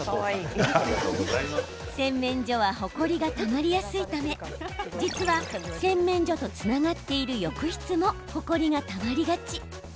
洗面所はほこりがたまりやすいため実は、洗面所とつながっている浴室も、ほこりがたまりがち。